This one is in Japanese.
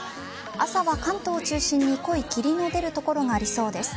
朝は関東を中心に濃い霧が出る所がありそうです。